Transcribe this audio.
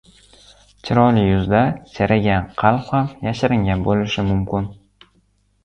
• Chiroyli yuzda chirigan qalb ham yashiringan bo‘lishi mumkin.